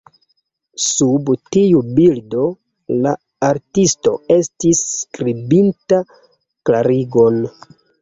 Sub tiu bildo, la artisto estis skribinta klarigon.